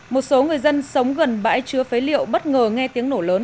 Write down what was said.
một số người dân sống gần bãi chứa phế liệu bất ngờ nghe tiếng nổ lớn